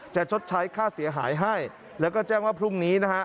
ชดใช้ค่าเสียหายให้แล้วก็แจ้งว่าพรุ่งนี้นะฮะ